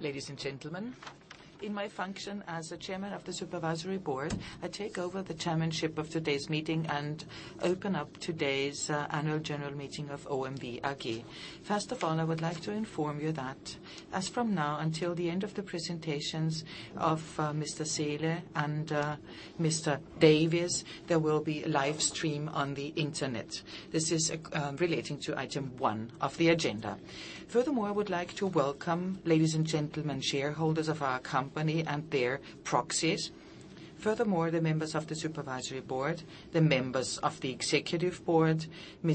Ladies and gentlemen, in my function as the chairman of the Supervisory Board, I take over the chairmanship of today's meeting and open up today's Annual General Meeting of OMV AG. First of all, I would like to inform you that as from now until the end of the presentations of Mr. Seele and Mr. Davies, there will be a live stream on the internet. This is relating to item 1 of the agenda. Furthermore, I would like to welcome ladies and gentlemen, shareholders of our company and their proxies. Furthermore, the members of the Supervisory Board, the members of the Executive Board, the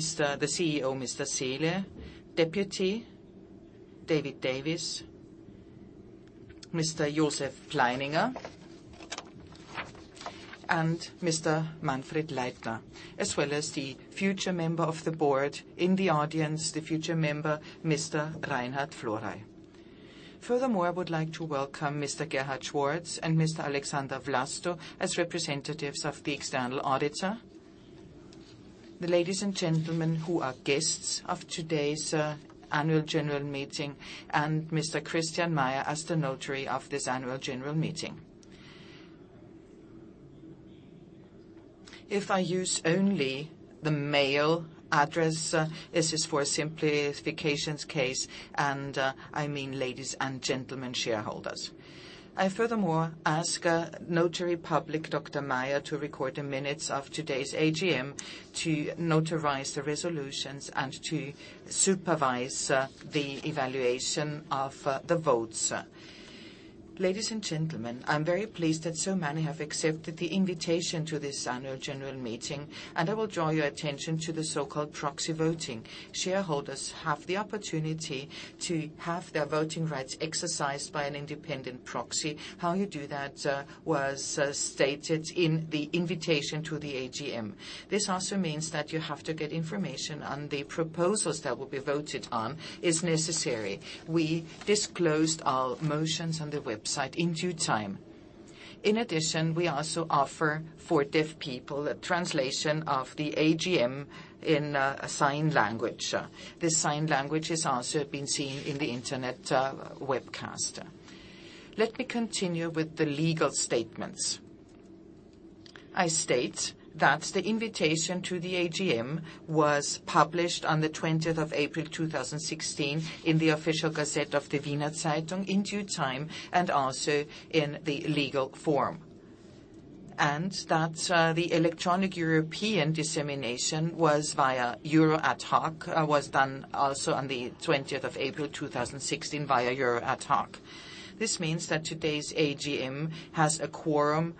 CEO, Mr. Seele, Deputy David Davies, Mr. Johann Pleininger, and Mr. Manfred Leitner, as well as the future member of the board in the audience, the future member, Mr. Reinhard Florey. Furthermore, I would like to welcome Mr. Gerhard Schwarz and Mr. Alexander Vlasto as representatives of the external auditor, the ladies and gentlemen who are guests of today's Annual General Meeting, and Mr. Christian Meyer as the notary of this Annual General Meeting. If I use only the male address, this is for a simplification case, and I mean ladies and gentlemen shareholders. I furthermore ask notary public Dr. Meyer to record the minutes of today's AGM to notarize the resolutions and to supervise the evaluation of the votes. Ladies and gentlemen, I am very pleased that so many have accepted the invitation to this Annual General Meeting, and I will draw your attention to the so-called proxy voting. Shareholders have the opportunity to have their voting rights exercised by an independent proxy. How you do that was stated in the invitation to the AGM. This also means that you have to get information on the proposals that will be voted on is necessary. We disclosed our motions on the website in due time. In addition, we also offer for deaf people a translation of the AGM in sign language. This sign language is also being seen in the internet webcast. Let me continue with the legal statements. I state that the invitation to the AGM was published on the 20th of April, 2016 in the "Official Gazette" of the Wiener Zeitung in due time and also in the legal form. The electronic European dissemination was via euro adhoc, was done also on the 20th of April, 2016 via euro adhoc. This means that today's AGM has a quorum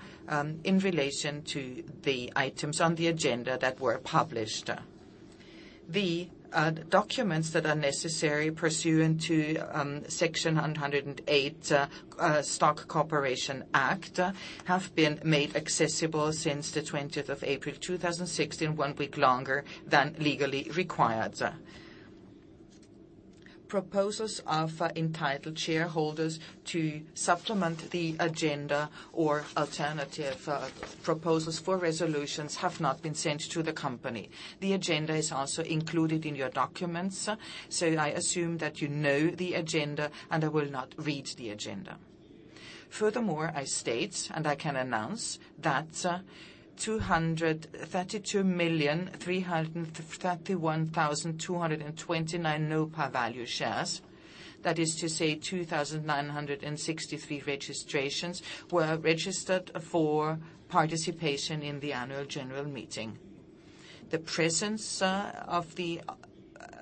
in relation to the items on the agenda that were published. The documents that are necessary pursuant to Section 108, Stock Corporation Act, have been made accessible since the 20th of April, 2016, one week longer than legally required. Proposals of entitled shareholders to supplement the agenda or alternative proposals for resolutions have not been sent to the company. The agenda is also included in your documents. I assume that you know the agenda, and I will not read the agenda. Furthermore, I state, and I can announce that 232,331,229 no-par value shares, that is to say 2,963 registrations, were registered for participation in the Annual General Meeting. The presence of the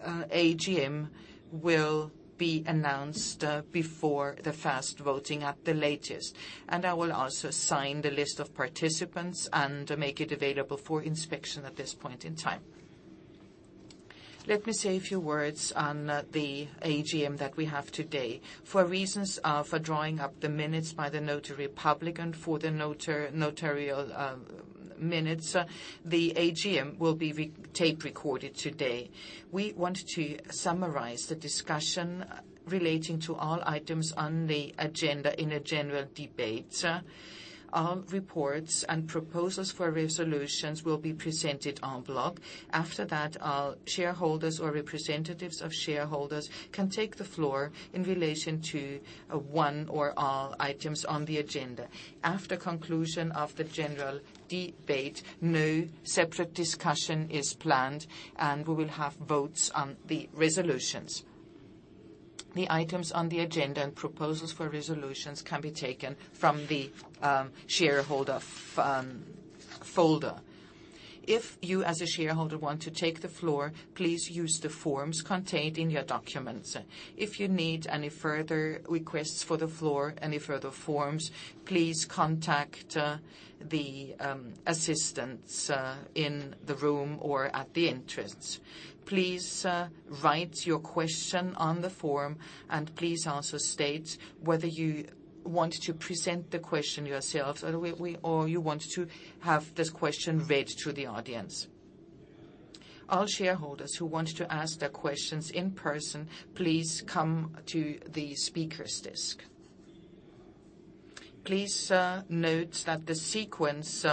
AGM will be announced before the first voting at the latest. I will also sign the list of participants and make it available for inspection at this point in time. Let me say a few words on the AGM that we have today. For reasons for drawing up the minutes by the notary public and for the notarial minutes, the AGM will be tape-recorded today. We want to summarize the discussion relating to all items on the agenda in a general debate. Our reports and proposals for resolutions will be presented en bloc. After that, our shareholders or representatives of shareholders can take the floor in relation to one or all items on the agenda. After conclusion of the general debate, no separate discussion is planned, we will have votes on the resolutions. The items on the agenda and proposals for resolutions can be taken from the shareholder folder. If you as a shareholder want to take the floor, please use the forms contained in your documents. If you need any further requests for the floor, any further forms, please contact the assistants in the room or at the entrance. Please write your question on the form, please also state whether you want to present the question yourselves or you want to have this question read to the audience. All shareholders who want to ask their questions in person, please come to the speaker's desk. Please note that the sequence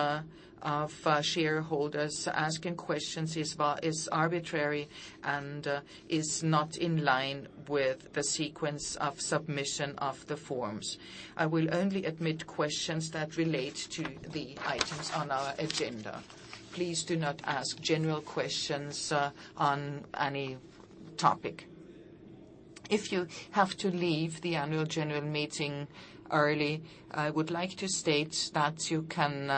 of shareholders asking questions is arbitrary and is not in line with the sequence of submission of the forms. I will only admit questions that relate to the items on our agenda. Please do not ask general questions on any topic. If you have to leave the annual general meeting early, I would like to state that you can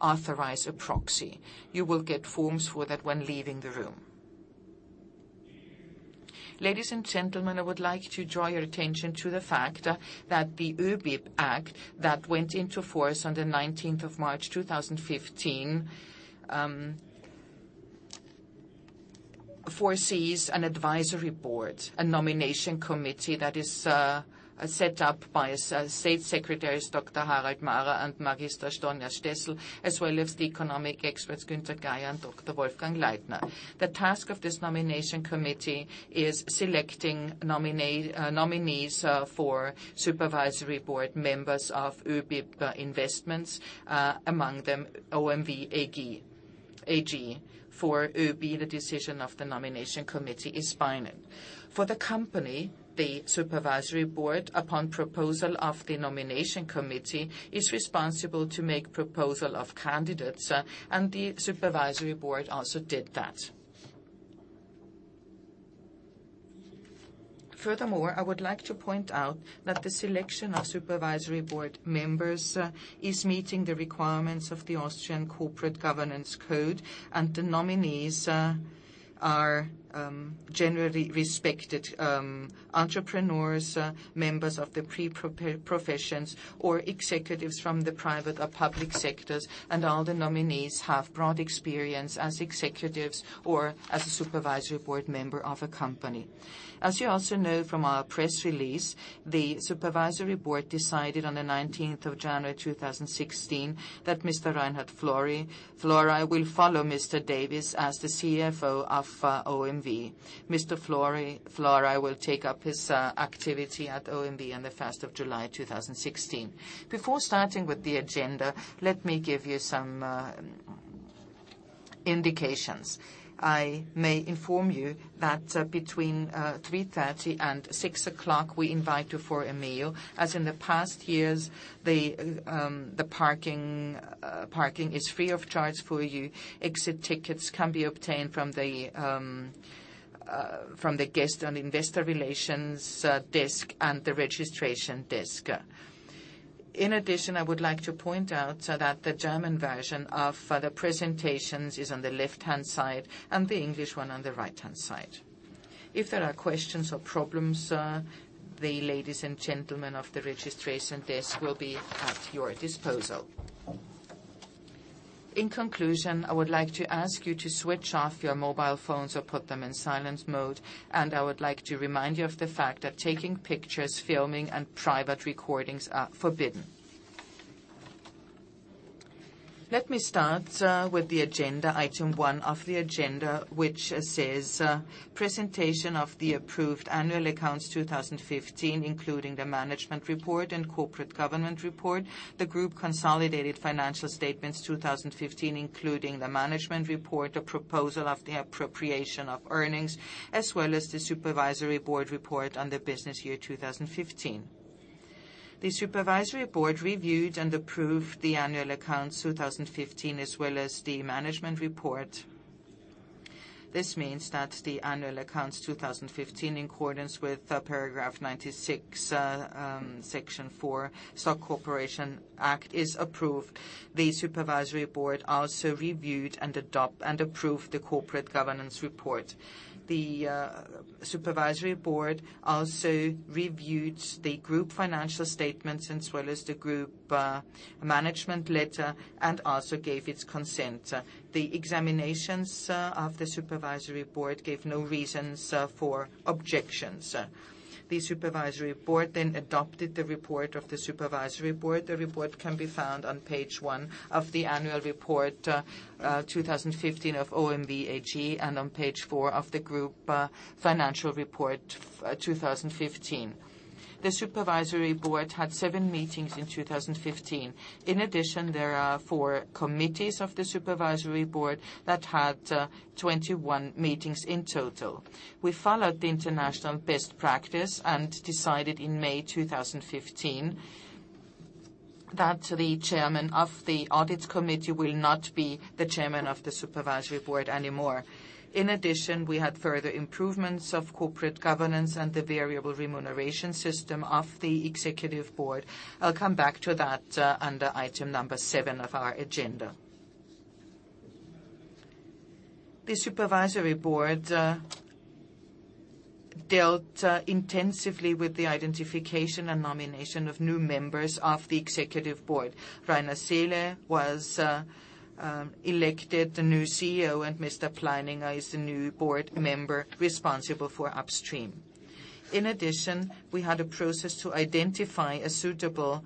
authorize a proxy. You will get forms for that when leaving the room. Ladies and gentlemen, I would like to draw your attention to the fact that the ÖBIB Act that went into force on the 19th of March 2015, foresees an advisory board, a nomination committee that is set up by State Secretaries Dr. Harald Mahrer and Mag. Sonja Steßl, as well as the economic experts Günther Geyer and Dr. Wolfgang Leitner. The task of this nomination committee is selecting nominees for Supervisory Board members of ÖBIB Investments, among them OMV AG. For ÖBIB, the decision of the nomination committee is final. For the company, the Supervisory Board, upon proposal of the nomination committee, is responsible to make proposal of candidates, the Supervisory Board also did that. Furthermore, I would like to point out that the selection of Supervisory Board members is meeting the requirements of the Austrian Code of Corporate Governance, the nominees are generally respected entrepreneurs, members of the professions, or executives from the private or public sectors, All the nominees have broad experience as executives or as a Supervisory Board member of a company. As you also know from our press release, the Supervisory Board decided on the 19th of January 2016 that Mr. Reinhard Florey will follow Mr. Davies as the CFO of OMV. Mr. Florey will take up his activity at OMV on the 1st of July 2016. Before starting with the agenda, let me give you some indications. I may inform you that between 3:30 P.M. and 6:00 P.M., we invite you for a meal. As in the past years, the parking is free of charge for you. Exit tickets can be obtained from the guest and investor relations desk and the registration desk. In addition, I would like to point out that the German version of the presentations is on the left-hand side and the English one on the right-hand side. If there are questions or problems, the ladies and gentlemen of the registration desk will be at your disposal. In conclusion, I would like to ask you to switch off your mobile phones or put them in silent mode, and I would like to remind you of the fact that taking pictures, filming, and private recordings are forbidden. Let me start with the agenda, item one of the agenda, which says presentation of the approved annual accounts 2015, including the management report and corporate governance report. The group consolidated financial statements 2015, including the management report, a proposal of the appropriation of earnings, as well as the supervisory board report on the business year 2015. The supervisory board reviewed and approved the annual accounts 2015 as well as the management report. This means that the annual accounts 2015, in accordance with paragraph 96, Section 4, Stock Corporation Act, is approved. The supervisory board also reviewed and approved the corporate governance report. The supervisory board also reviewed the group financial statements as well as the group management letter and also gave its consent. The examinations of the supervisory board gave no reasons for objections. The supervisory board then adopted the report of the supervisory board. The report can be found on page one of the annual report 2015 of OMV AG and on page four of the group financial report 2015. The supervisory board had seven meetings in 2015. In addition, there are four committees of the supervisory board that had 21 meetings in total. We followed the international best practice and decided in May 2015 that the chairman of the audit committee will not be the chairman of the supervisory board anymore. In addition, we had further improvements of corporate governance and the variable remuneration system of the executive board. I'll come back to that under item number seven of our agenda. The supervisory board dealt intensively with the identification and nomination of new members of the executive board. Rainer Seele was elected the new CEO, and Mr. Pleininger is the new board member responsible for Upstream. In addition, we had a process to identify a suitable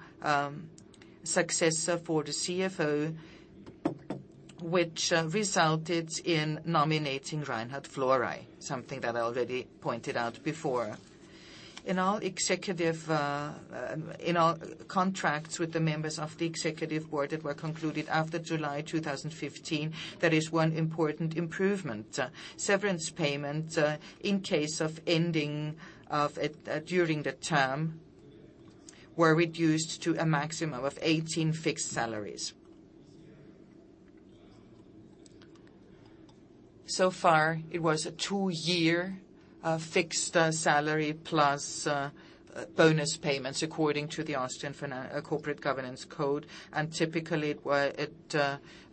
successor for the CFO, which resulted in nominating Reinhard Florey, something that I already pointed out before. In our contracts with the members of the executive board that were concluded after July 2015, there is one important improvement. Severance payment, in case of ending during the term, were reduced to a maximum of 18 fixed salaries. So far, it was a two-year fixed salary plus bonus payments according to the Austrian Corporate Governance Code, and typically it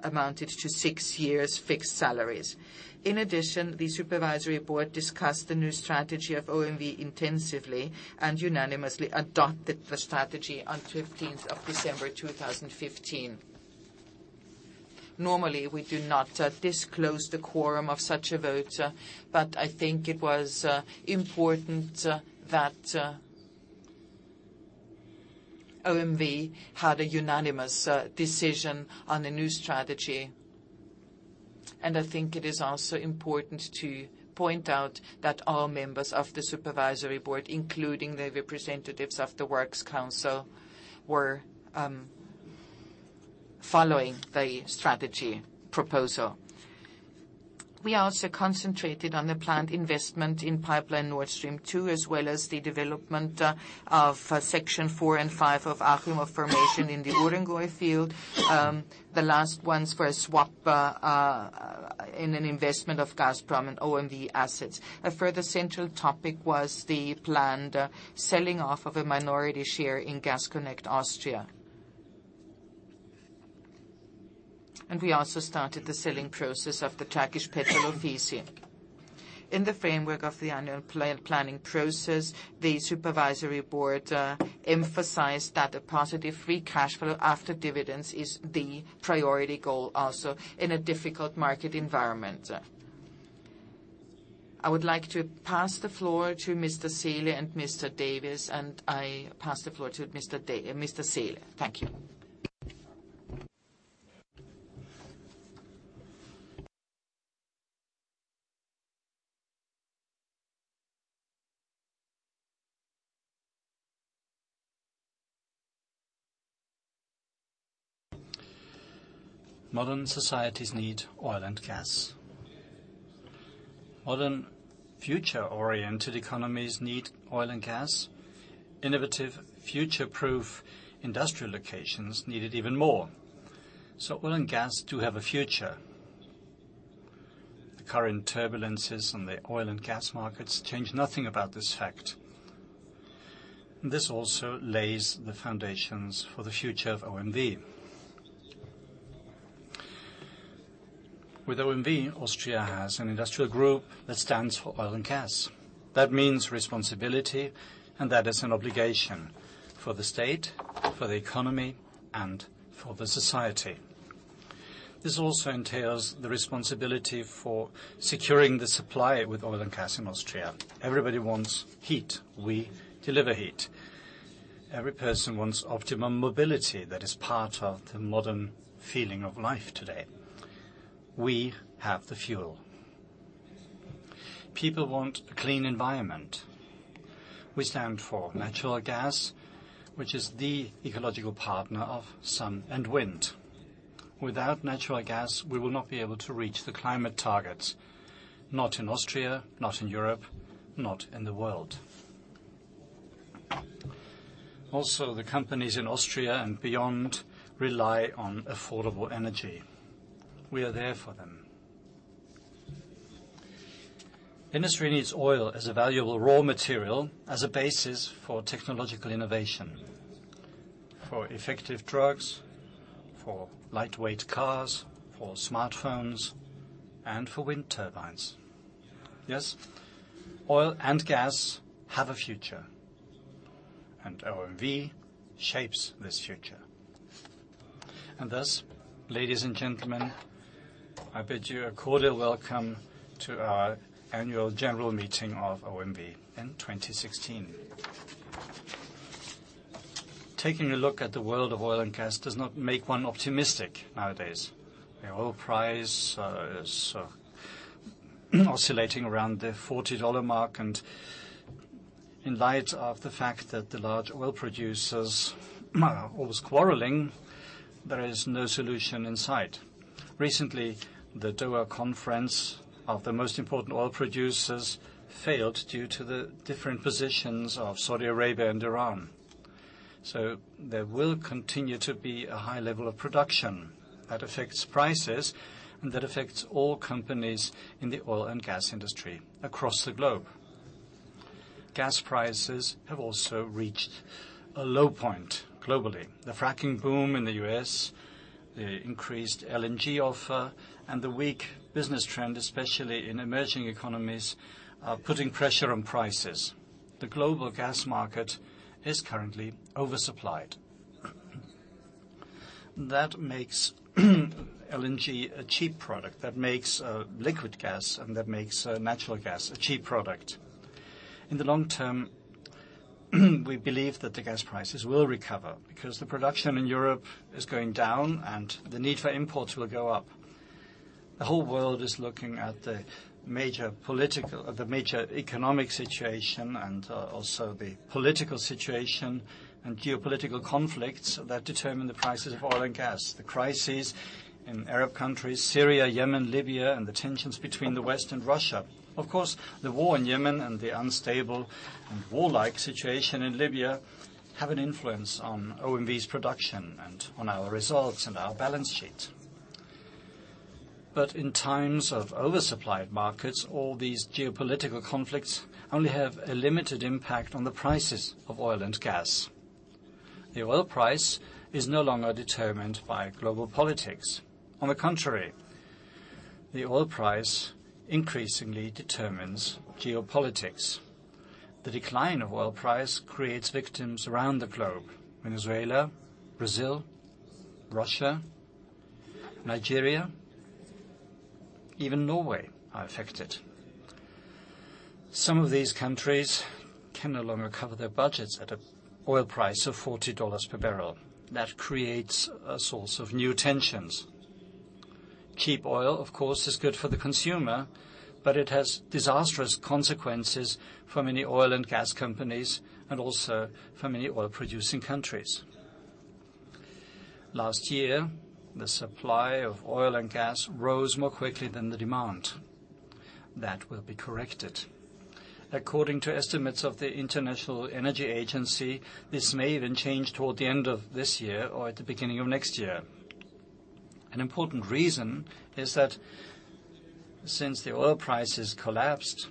amounted to six years fixed salaries. In addition, the supervisory board discussed the new strategy of OMV intensively and unanimously adopted the strategy on 15th of December 2015. Normally, we do not disclose the quorum of such a vote, but I think it was important that OMV had a unanimous decision on the new strategy. I think it is also important to point out that all members of the supervisory board, including the representatives of the Works Council, were following the strategy proposal. We also concentrated on the planned investment in pipeline Nord Stream 2, as well as the development of section 4 and 5 of Achimov Formation in the Ust-Balyksky field. The last ones were a swap in an investment of Gazprom in OMV assets. A further central topic was the planned selling off of a minority share in Gas Connect Austria. And we also started the selling process of the Turkish Petrol Ofisi. In the framework of the annual planning process, the Supervisory Board emphasized that a positive free cash flow after dividends is the priority goal also in a difficult market environment. I would like to pass the floor to Mr. Seele and Mr. Davies, and I pass the floor to Mr. Seele. Thank you. Modern societies need oil and gas. Modern future-oriented economies need oil and gas. Innovative future-proof industrial locations need it even more. Oil and gas do have a future. The current turbulences in the oil and gas markets change nothing about this fact. This also lays the foundations for the future of OMV. With OMV, Austria has an industrial group that stands for oil and gas. That means responsibility, and that is an obligation for the state, for the economy, and for the society. This also entails the responsibility for securing the supply with oil and gas in Austria. Everybody wants heat. We deliver heat. Every person wants optimum mobility. That is part of the modern feeling of life today. We have the fuel. People want a clean environment. We stand for natural gas, which is the ecological partner of sun and wind. Without natural gas, we will not be able to reach the climate targets, not in Austria, not in Europe, not in the world. Also, the companies in Austria and beyond rely on affordable energy. We are there for them. Industry needs oil as a valuable raw material, as a basis for technological innovation, for effective drugs, for lightweight cars, for smartphones, and for wind turbines. Yes, oil and gas have a future, and OMV shapes this future. And thus, ladies and gentlemen, I bid you a cordial welcome to our annual general meeting of OMV in 2016. Taking a look at the world of oil and gas does not make one optimistic nowadays. The oil price is oscillating around the 40 dollar mark, and in light of the fact that the large oil producers are always quarreling, there is no solution in sight. Recently, the Doha Conference of the most important oil producers failed due to the different positions of Saudi Arabia and Iran. There will continue to be a high level of production that affects prices and that affects all companies in the oil and gas industry across the globe. Gas prices have also reached a low point globally. The fracking boom in the U.S., the increased LNG offer, and the weak business trend, especially in emerging economies, are putting pressure on prices. The global gas market is currently oversupplied. That makes LNG a cheap product. That makes liquid gas, and that makes natural gas a cheap product. In the long term, we believe that the gas prices will recover because the production in Europe is going down and the need for imports will go up. The whole world is looking at the major economic situation and also the political situation and geopolitical conflicts that determine the prices of oil and gas, the crises in Arab countries, Syria, Yemen, Libya, and the tensions between the West and Russia. Of course, the war in Yemen and the unstable and warlike situation in Libya have an influence on OMV's production and on our results and our balance sheet. In times of oversupplied markets, all these geopolitical conflicts only have a limited impact on the prices of oil and gas. The oil price is no longer determined by global politics. On the contrary, the oil price increasingly determines geopolitics. The decline of oil price creates victims around the globe. Venezuela, Brazil, Russia, Nigeria, even Norway are affected. Some of these countries can no longer cover their budgets at an oil price of $40 per barrel. That creates a source of new tensions. Cheap oil, of course, is good for the consumer, but it has disastrous consequences for many oil and gas companies and also for many oil-producing countries. Last year, the supply of oil and gas rose more quickly than the demand. That will be corrected. According to estimates of the International Energy Agency, this may even change toward the end of this year or at the beginning of next year. An important reason is that since the oil prices collapsed,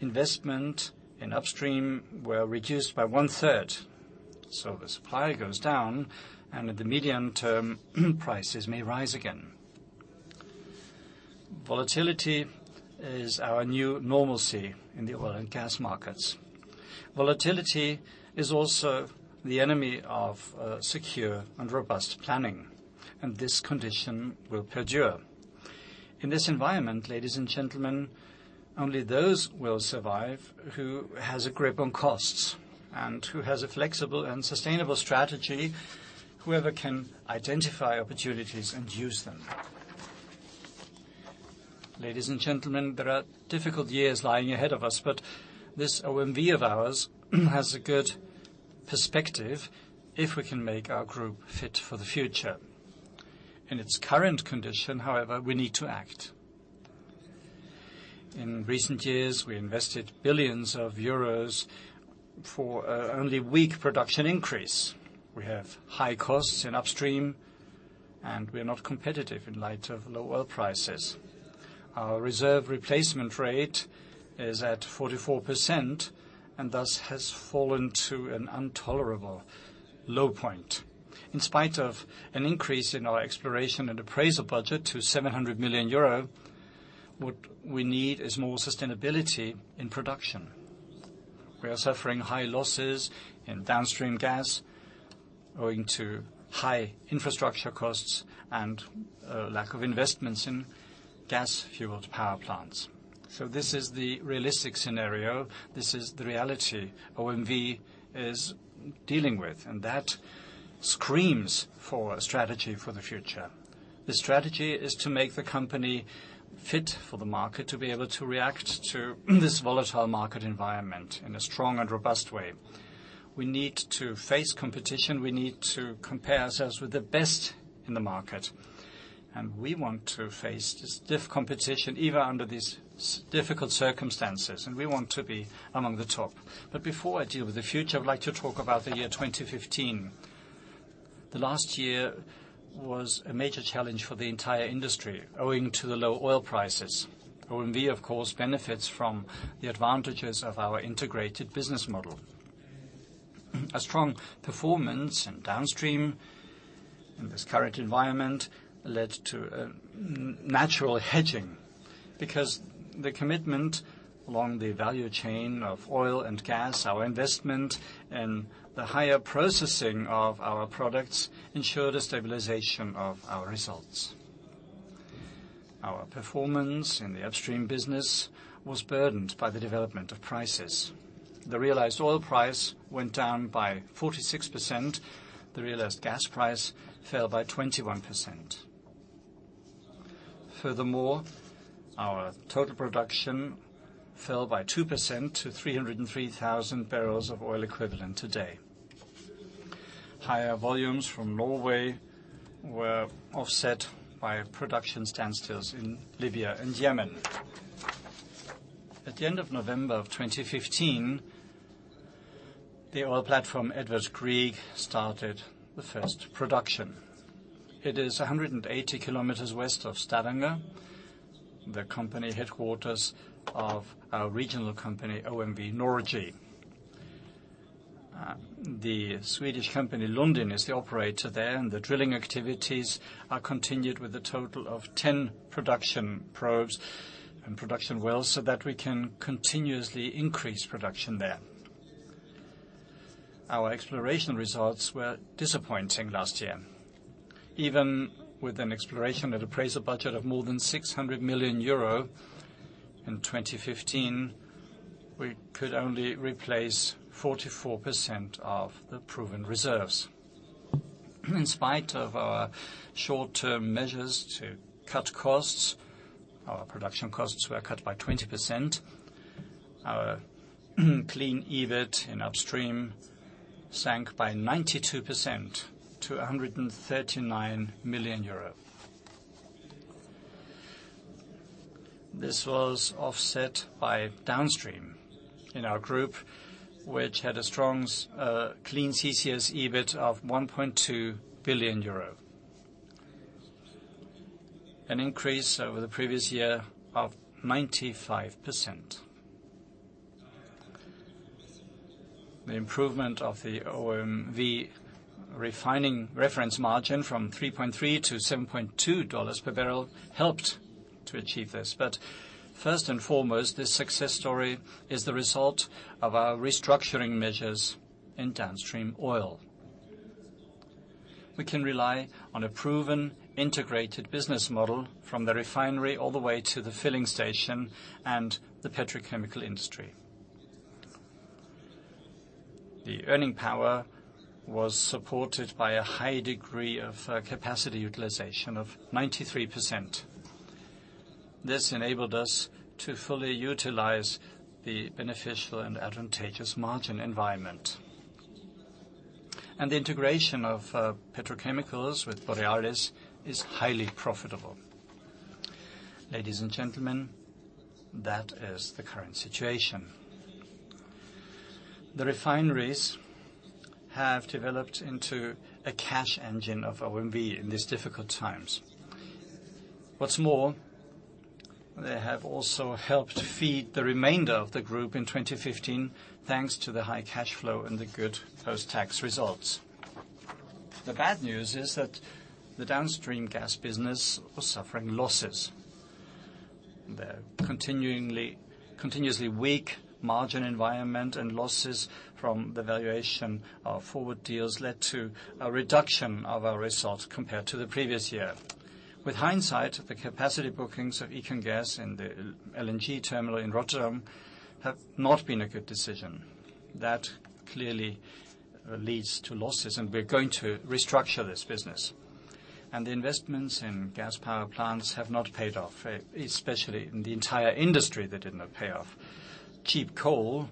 investment in Upstream were reduced by one-third, the supply goes down, in the medium term, prices may rise again. Volatility is our new normalcy in the oil and gas markets. Volatility is also the enemy of secure and robust planning, this condition will perdure. In this environment, ladies and gentlemen, only those will survive who has a grip on costs and who has a flexible and sustainable strategy, whoever can identify opportunities and use them. Ladies and gentlemen, there are difficult years lying ahead of us, this OMV of ours has a good perspective if we can make our group fit for the future. In its current condition, however, we need to act. In recent years, we invested billions of EUR for only weak production increase. We have high costs in Upstream, we are not competitive in light of low oil prices. Our reserve replacement rate is at 44% thus has fallen to an intolerable low point. In spite of an increase in our exploration and appraisal budget to 700 million euro, what we need is more sustainability in production. We are suffering high losses in Downstream gas owing to high infrastructure costs and a lack of investments in gas-fueled power plants. This is the realistic scenario. This is the reality OMV is dealing with, that screams for a strategy for the future. The strategy is to make the company fit for the market, to be able to react to this volatile market environment in a strong and robust way. We need to face competition. We need to compare ourselves with the best in the market. We want to face this stiff competition even under these difficult circumstances, we want to be among the top. Before I deal with the future, I would like to talk about the year 2015. The last year was a major challenge for the entire industry owing to the low oil prices. OMV, of course, benefits from the advantages of our integrated business model. A strong performance in Downstream in this current environment led to a natural hedging because the commitment along the value chain of oil and gas, our investment in the higher processing of our products ensured a stabilization of our results. Our performance in the Upstream business was burdened by the development of prices. The realized oil price went down by 46%. The realized gas price fell by 21%. Furthermore, our total production fell by 2% to 303,000 barrels of oil equivalent today. Higher volumes from Norway were offset by production standstills in Libya and Yemen. At the end of November of 2015, the oil platform, Edvard Grieg, started the first production. It is 180 km west of Stavanger, the company headquarters of our regional company, OMV Norge. The Swedish company, Lundin, is the operator there, and the drilling activities are continued with a total of 10 production probes and production wells so that we can continuously increase production there. Our exploration results were disappointing last year. Even with an exploration and appraisal budget of more than 600 million euro in 2015, we could only replace 44% of the proven reserves. In spite of our short-term measures to cut costs, our production costs were cut by 20%. Our clean EBIT in Upstream sank by 92% to EUR 139 million. This was offset by Downstream in our group, which had a strong clean CCS EBIT of 1.2 billion euro. An increase over the previous year of 95%. The improvement of the OMV refining reference margin from $3.3 to $7.2 per barrel helped to achieve this. First and foremost, this success story is the result of our restructuring measures in Downstream oil. We can rely on a proven, integrated business model from the refinery all the way to the filling station and the petrochemical industry. The earning power was supported by a high degree of capacity utilization of 93%. This enabled us to fully utilize the beneficial and advantageous margin environment. The integration of petrochemicals with Borealis is highly profitable. Ladies and gentlemen, that is the current situation. The refineries have developed into a cash engine of OMV in these difficult times. What's more, they have also helped feed the remainder of the group in 2015, thanks to the high cash flow and the good post-tax results. The bad news is that the Downstream gas business was suffering losses. The continuously weak margin environment and losses from the valuation of forward deals led to a reduction of our results compared to the previous year. With hindsight, the capacity bookings of EconGas and the LNG terminal in Rotterdam have not been a good decision. That clearly leads to losses, and we are going to restructure this business. The investments in gas power plants have not paid off, especially in the entire industry, they did not pay off. Cheap coal,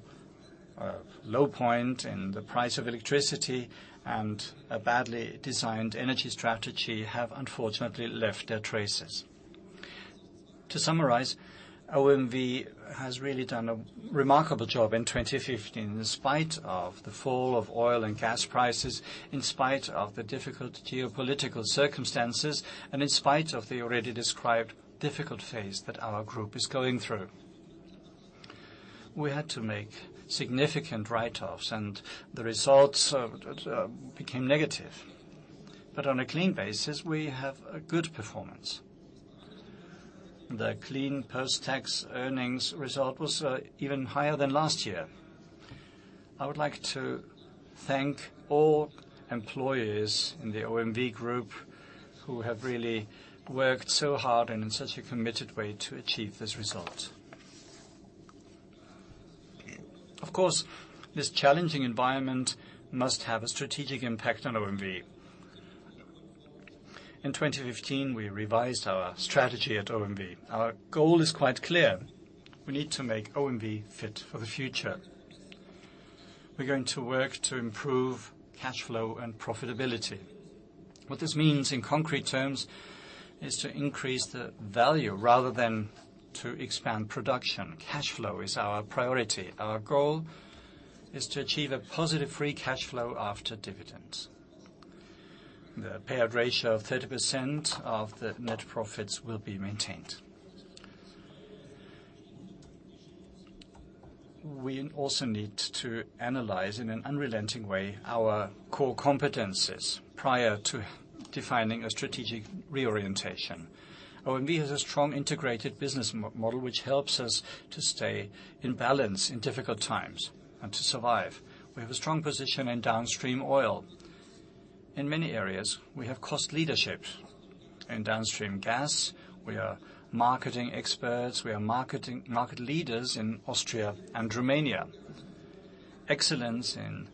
a low point in the price of electricity, and a badly designed energy strategy have unfortunately left their traces. To summarize, OMV has really done a remarkable job in 2015 in spite of the fall of oil and gas prices, in spite of the difficult geopolitical circumstances, and in spite of the already described difficult phase that our group is going through. We had to make significant write-offs, the results became negative. On a clean basis, we have a good performance. The clean post-tax earnings result was even higher than last year. I would like to thank all employees in the OMV Group who have really worked so hard and in such a committed way to achieve this result. This challenging environment must have a strategic impact on OMV. In 2015, we revised our strategy at OMV. Our goal is quite clear. We need to make OMV fit for the future. We're going to work to improve cash flow and profitability. What this means in concrete terms is to increase the value rather than to expand production. Cash flow is our priority. Our goal is to achieve a positive free cash flow after dividends. The payout ratio of 30% of the net profits will be maintained. We need to analyze in an unrelenting way our core competencies prior to defining a strategic reorientation. OMV has a strong integrated business model, which helps us to stay in balance in difficult times and to survive. We have a strong position in Downstream oil. In many areas, we have cost leadership. In Downstream gas, we are marketing experts, we are market leaders in Austria and Romania. Excellence in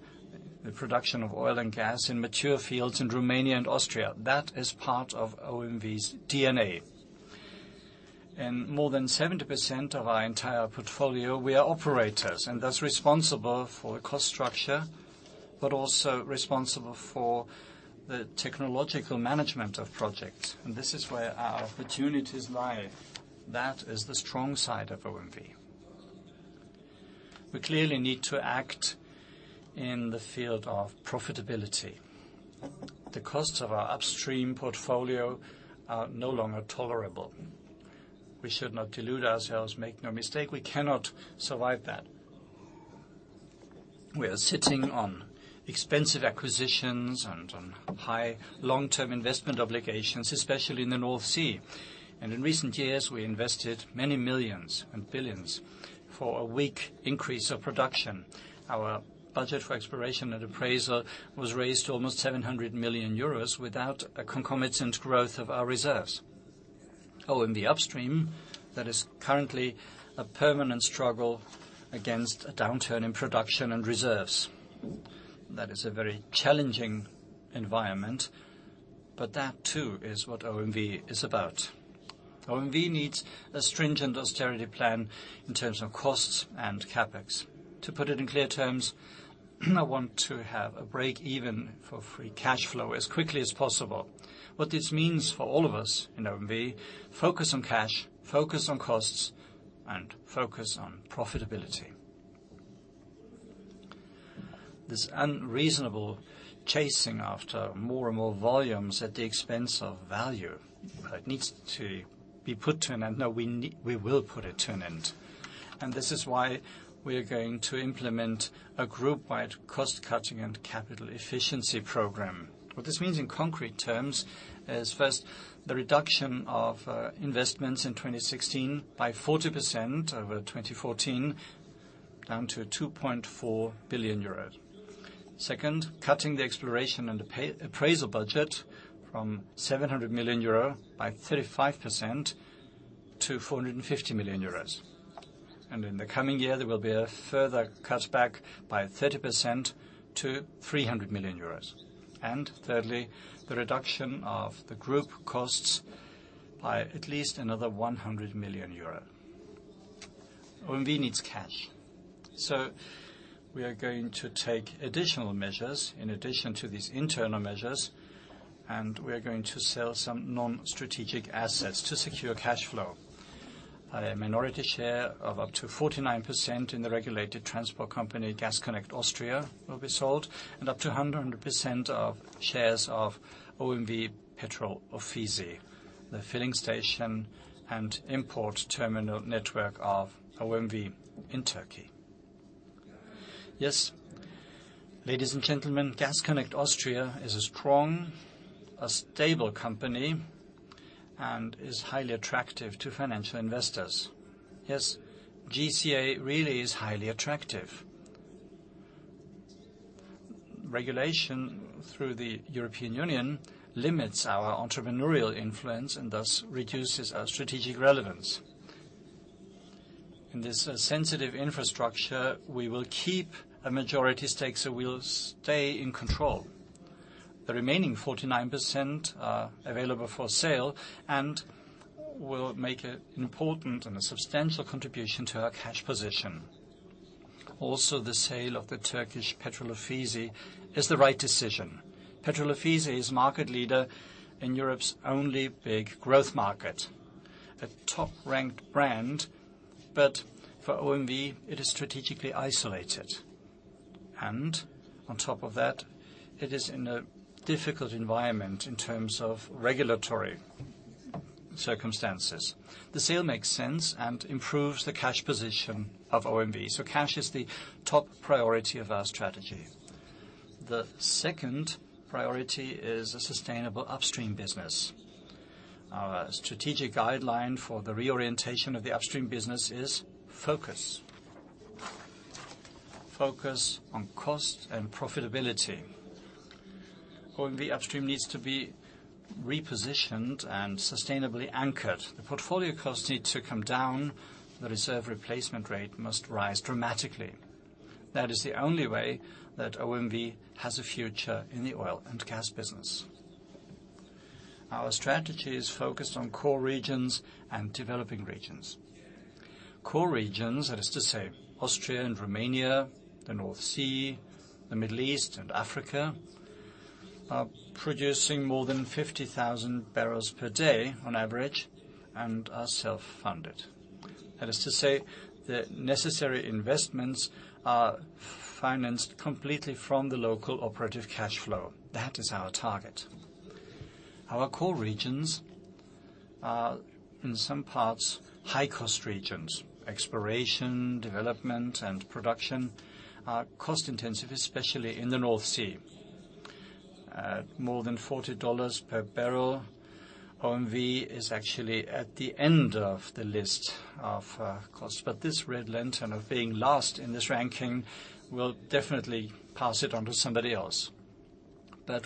the production of oil and gas in mature fields in Romania and Austria. That is part of OMV's DNA. In more than 70% of our entire portfolio, we are operators and thus responsible for the cost structure, but also responsible for the technological management of projects. This is where our opportunities lie. That is the strong side of OMV. We clearly need to act in the field of profitability. The costs of our Upstream portfolio are no longer tolerable. We should not delude ourselves, make no mistake, we cannot survive that. We are sitting on expensive acquisitions and on high long-term investment obligations, especially in the North Sea. In recent years, we invested many millions and billions for a weak increase of production. Our budget for exploration and appraisal was raised to almost 700 million euros without a concomitant growth of our reserves. OMV Upstream, that is currently a permanent struggle against a downturn in production and reserves. That is a very challenging environment, that too is what OMV is about. OMV needs a stringent austerity plan in terms of costs and CapEx. To put it in clear terms, I want to have a break even for free cash flow as quickly as possible. What this means for all of us in OMV, focus on cash, focus on costs, and focus on profitability. This unreasonable chasing after more and more volumes at the expense of value, that needs to be put to an end. We will put it to an end. This is why we are going to implement a group-wide cost-cutting and capital efficiency program. What this means in concrete terms is first, the reduction of investments in 2016 by 40% over 2014, down to 2.4 billion euros. Second, cutting the exploration and appraisal budget from 700 million euro by 35% to 450 million euros. In the coming year, there will be a further cutback by 30% to 300 million euros. Thirdly, the reduction of the group costs by at least another 100 million euro. OMV needs cash. We are going to take additional measures in addition to these internal measures, we are going to sell some non-strategic assets to secure cash flow. A minority share of up to 49% in the regulated transport company, Gas Connect Austria, will be sold and up to 100% of shares of OMV Petrol Ofisi, the filling station and import terminal network of OMV in Turkey. Ladies and gentlemen, Gas Connect Austria is a strong, a stable company and is highly attractive to financial investors. GCA really is highly attractive. Regulation through the European Union limits our entrepreneurial influence and thus reduces our strategic relevance. In this sensitive infrastructure, we will keep a majority stake. We will stay in control. The remaining 49% are available for sale and will make an important and a substantial contribution to our cash position. Also, the sale of the Turkish Petrol Ofisi is the right decision. Petrol Ofisi is market leader in Europe's only big growth market. A top-ranked brand, but for OMV, it is strategically isolated. On top of that, it is in a difficult environment in terms of regulatory circumstances. The sale makes sense and improves the cash position of OMV. Cash is the top priority of our strategy. The second priority is a sustainable Upstream business. Our strategic guideline for the reorientation of the Upstream business is focus. Focus on cost and profitability. OMV Upstream needs to be repositioned and sustainably anchored. The portfolio costs need to come down. The reserve replacement rate must rise dramatically. That is the only way that OMV has a future in the oil and gas business. Our strategy is focused on core regions and developing regions. Core regions, that is to say, Austria and Romania, the North Sea, the Middle East and Africa, are producing more than 50,000 barrels per day on average and are self-funded. That is to say, the necessary investments are financed completely from the local operative cash flow. That is our target. Our core regions are in some parts high cost regions. Exploration, development, and production are cost-intensive, especially in the North Sea. At more than EUR 40 per barrel, OMV is actually at the end of the list of cost. This red lantern of being last in this ranking, we'll definitely pass it on to somebody else.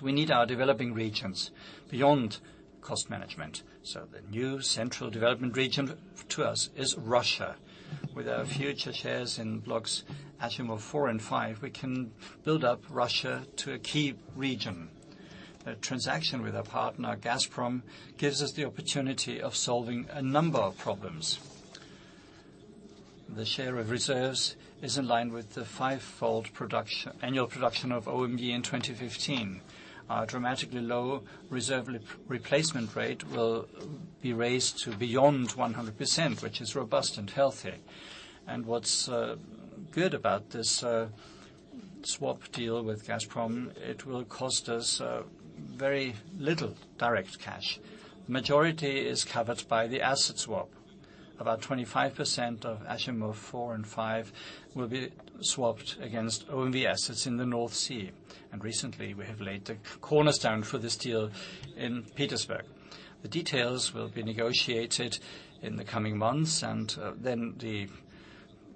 We need our developing regions beyond cost management. The new central development region to us is Russia. With our future shares in blocks Achimov 4 and 5, we can build up Russia to a key region. A transaction with our partner, Gazprom, gives us the opportunity of solving a number of problems. The share of reserves is in line with the fivefold annual production of OMV in 2015. Our dramatically low reserve replacement rate will be raised to beyond 100%, which is robust and healthy. What's good about this swap deal with Gazprom, it will cost us very little direct cash. Majority is covered by the asset swap. About 25% of Achimov 4 and 5 will be swapped against OMV assets in the North Sea. Recently, we have laid the cornerstone for this deal in Petersburg. The details will be negotiated in the coming months. The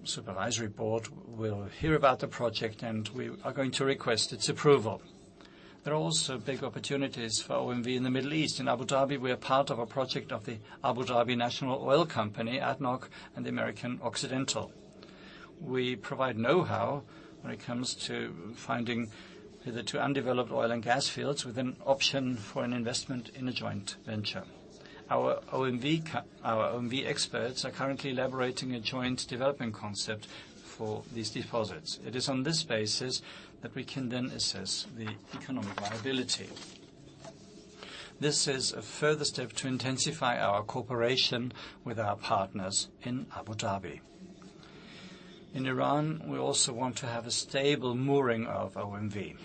supervisory board will hear about the project, and we are going to request its approval. There are also big opportunities for OMV in the Middle East. In Abu Dhabi, we are part of a project of the Abu Dhabi National Oil Company, ADNOC, and the American Occidental. We provide know-how when it comes to finding the two undeveloped oil and gas fields with an option for an investment in a joint venture. Our OMV experts are currently elaborating a joint development concept for these deposits. It is on this basis that we can then assess the economic viability. This is a further step to intensify our cooperation with our partners in Abu Dhabi. In Iran, we also want to have a stable mooring of OMV.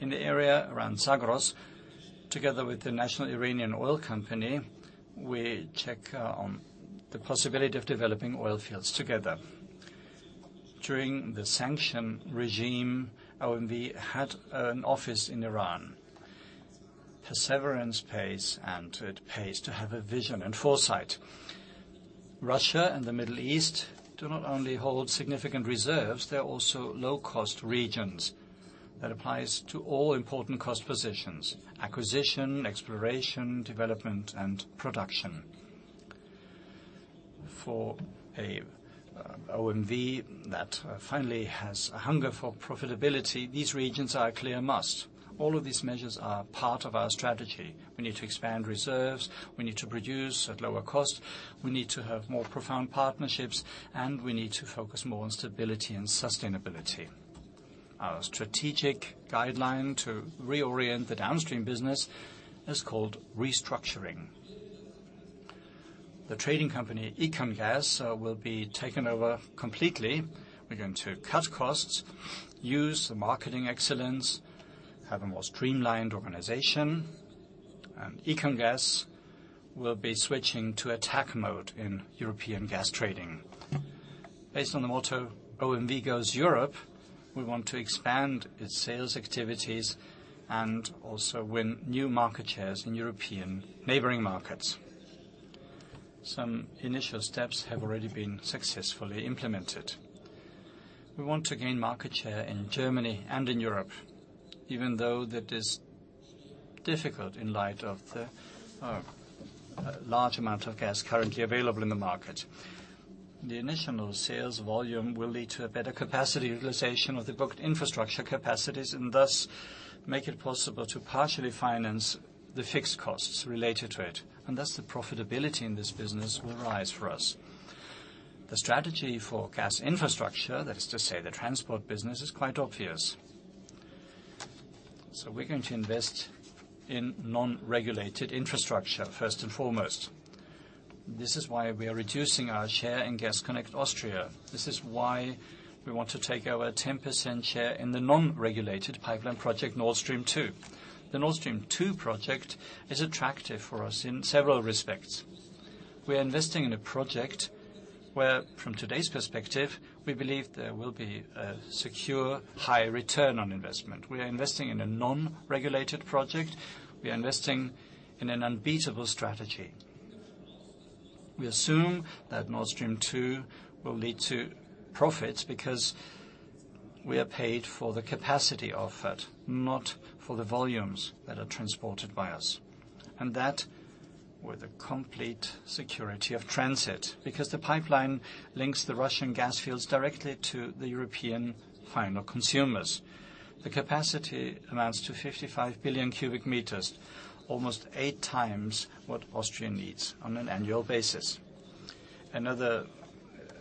In the area around Zagros, together with the National Iranian Oil Company, we check on the possibility of developing oil fields together. During the sanction regime, OMV had an office in Iran. Perseverance pays and it pays to have a vision and foresight. Russia and the Middle East do not only hold significant reserves, they are also low-cost regions. That applies to all important cost positions, acquisition, exploration, development, and production. For an OMV that finally has a hunger for profitability, these regions are a clear must. All of these measures are part of our strategy. We need to expand reserves, we need to produce at lower cost, we need to have more profound partnerships, and we need to focus more on stability and sustainability. Our strategic guideline to reorient the Downstream business is called restructuring. The trading company, EconGas, will be taken over completely. We're going to cut costs, use the marketing excellence, have a more streamlined organization, and EconGas will be switching to attack mode in European gas trading. Based on the motto, OMV Goes Europe, we want to expand its sales activities and also win new market shares in European neighboring markets. Some initial steps have already been successfully implemented. We want to gain market share in Germany and in Europe, even though that is difficult in light of the large amount of gas currently available in the market. The initial sales volume will lead to a better capacity utilization of the booked infrastructure capacities, and thus make it possible to partially finance the fixed costs related to it. Thus the profitability in this business will rise for us. The strategy for gas infrastructure, that is to say the transport business, is quite obvious. We're going to invest in non-regulated infrastructure first and foremost. This is why we are reducing our share in Gas Connect Austria. This is why we want to take our 10% share in the non-regulated pipeline project Nord Stream 2. The Nord Stream 2 project is attractive for us in several respects. We are investing in a project where, from today's perspective, we believe there will be a secure high return on investment. We are investing in a non-regulated project. We are investing in an unbeatable strategy. We assume that Nord Stream 2 will lead to profits because we are paid for the capacity of it, not for the volumes that are transported by us, and that with a complete security of transit, because the pipeline links the Russian gas fields directly to the European final consumers. The capacity amounts to 55 billion cubic meters, almost eight times what Austria needs on an annual basis. Another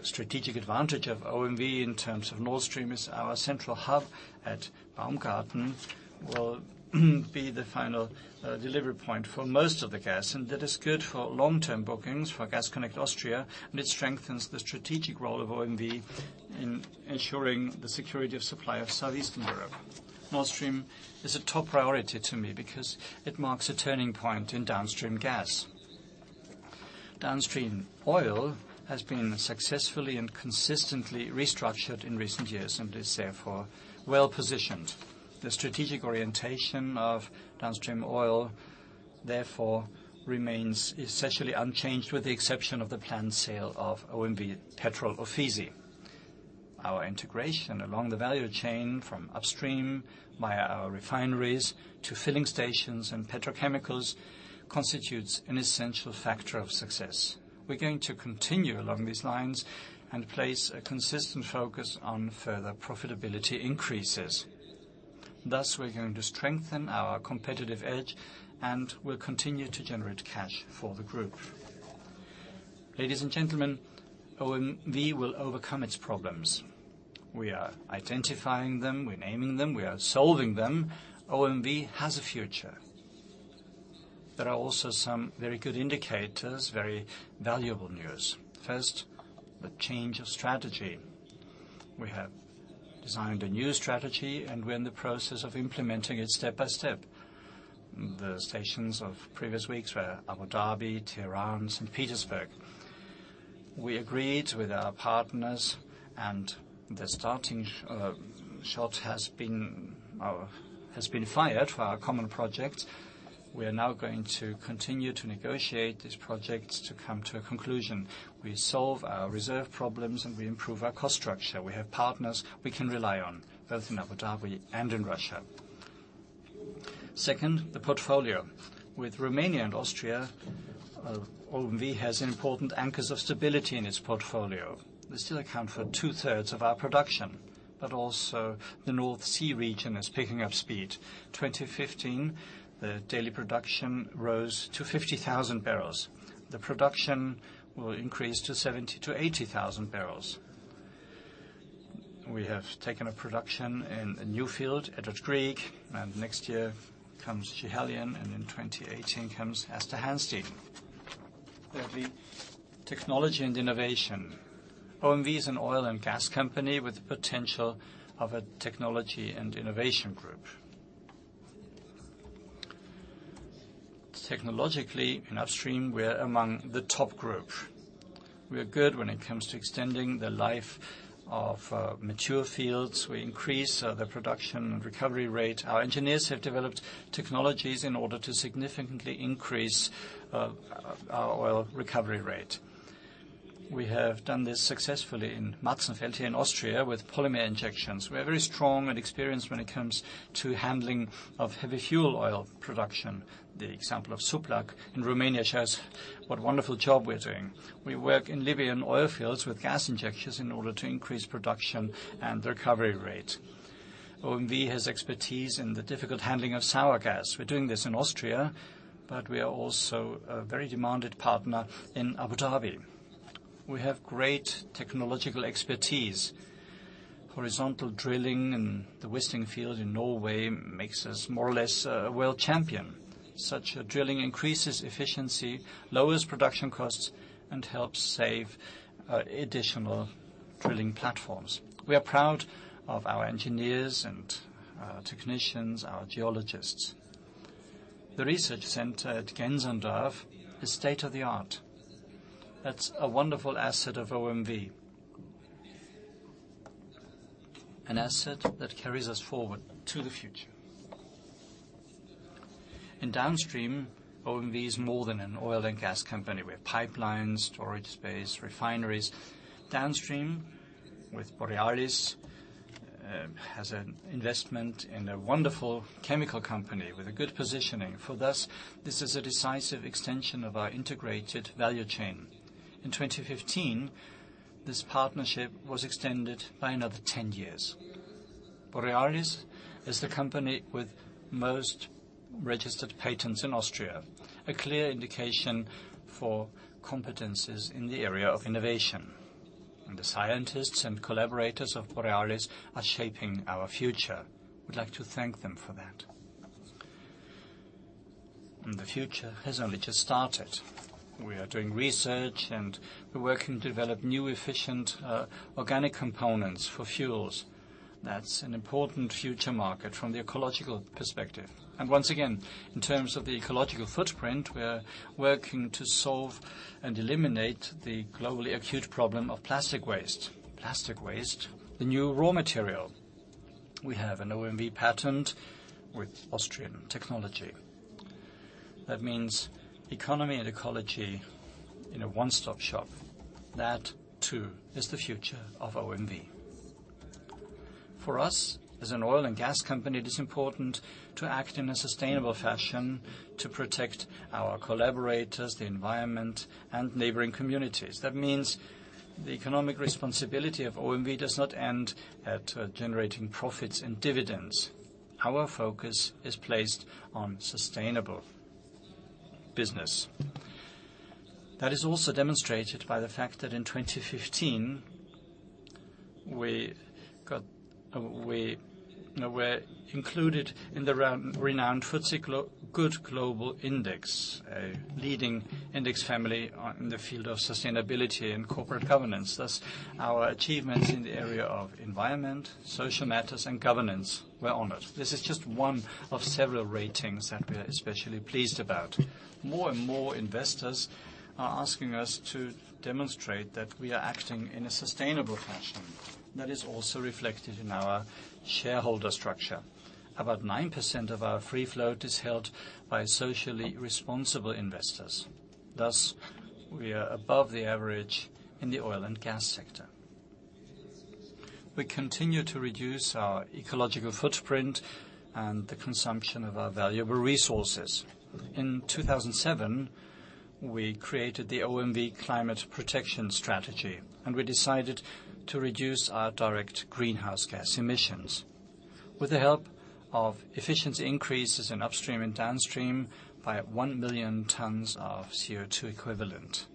strategic advantage of OMV in terms of Nord Stream is our central hub at Baumgarten will be the final delivery point for most of the gas. That is good for long-term bookings for Gas Connect Austria. It strengthens the strategic role of OMV in ensuring the security of supply of Southeastern Europe. Nord Stream is a top priority to me because it marks a turning point in downstream gas. Downstream oil has been successfully and consistently restructured in recent years and is therefore well-positioned. The strategic orientation of downstream oil, therefore, remains essentially unchanged with the exception of the planned sale of OMV Petrol Ofisi. Our integration along the value chain from upstream via our refineries to filling stations and petrochemicals constitutes an essential factor of success. We're going to continue along these lines and place a consistent focus on further profitability increases. We are going to strengthen our competitive edge and will continue to generate cash for the group. Ladies and gentlemen, OMV will overcome its problems. We are identifying them, we're naming them, we are solving them. OMV has a future. There are also some very good indicators, very valuable news. First, the change of strategy. We have designed a new strategy and we're in the process of implementing it step by step. The stations of previous weeks were Abu Dhabi, Tehran, St. Petersburg. We agreed with our partners. The starting shot has been fired for our common project. We are now going to continue to negotiate these projects to come to a conclusion. We solve our reserve problems and we improve our cost structure. We have partners we can rely on, both in Abu Dhabi and in Russia. Second, the portfolio. With Romania and Austria, OMV has important anchors of stability in its portfolio. They still account for two-thirds of our production. The North Sea region is picking up speed. In 2015, the daily production rose to 50,000 barrels. The production will increase to 70,000-80,000 barrels. We have taken a production in a new field at Edvard Grieg. Next year comes Schiehallio n, and in 2018 comes Aasta Hansteen. Thirdly, technology and innovation. OMV is an oil and gas company with the potential of a technology and innovation group. Technologically, in Upstream, we are among the top group. We are good when it comes to extending the life of mature fields. We increase the production recovery rate. Our engineers have developed technologies in order to significantly increase our oil recovery rate. We have done this successfully in Matzen here in Austria with polymer injections. We are very strong and experienced when it comes to handling of heavy fuel oil production. The example of Suplacu in Romania shows what wonderful job we are doing. We work in Libyan oil fields with gas injections in order to increase production and the recovery rate. OMV has expertise in the difficult handling of sour gas. We are doing this in Austria, but we are also a very demanded partner in Abu Dhabi. We have great technological expertise. Horizontal drilling in the Wisting field in Norway makes us more or less a world champion. Such drilling increases efficiency, lowers production costs, and helps save additional drilling platforms. We are proud of our engineers and our technicians, our geologists. The research center at Gänserndorf is state-of-the-art. That's a wonderful asset of OMV. An asset that carries us forward to the future. In Downstream, OMV is more than an oil and gas company. We have pipelines, storage space, refineries. Downstream with Borealis has an investment in a wonderful chemical company with a good positioning. For thus, this is a decisive extension of our integrated value chain. In 2015, this partnership was extended by another 10 years. Borealis is the company with most registered patents in Austria, a clear indication for competencies in the area of innovation. The scientists and collaborators of Borealis are shaping our future. We would like to thank them for that. The future has only just started. We are doing research and we are working to develop new efficient organic components for fuels. That's an important future market from the ecological perspective. Once again, in terms of the ecological footprint, we are working to solve and eliminate the globally acute problem of plastic waste. Plastic waste, the new raw material. We have an OMV patent with Austrian technology. That means economy and ecology in a one-stop shop. That too is the future of OMV. For us, as an oil and gas company, it is important to act in a sustainable fashion to protect our collaborators, the environment, and neighboring communities. That means the economic responsibility of OMV does not end at generating profits and dividends. Our focus is placed on sustainable business. That is also demonstrated by the fact that in 2015, we were included in the renowned FTSE4Good Global Index, a leading index family in the field of sustainability and corporate governance. Thus, our achievements in the area of environment, social matters, and governance were honored. This is just one of several ratings that we are especially pleased about. More and more investors are asking us to demonstrate that we are acting in a sustainable fashion. That is also reflected in our shareholder structure. About 9% of our free float is held by socially responsible investors. Thus, we are above the average in the oil and gas sector. We continue to reduce our ecological footprint and the consumption of our valuable resources. In 2007, we created the OMV Climate Protection Strategy, and we decided to reduce our direct greenhouse gas emissions. With the help of efficiency increases in Upstream and Downstream by 1 million tons of CO2 equivalent.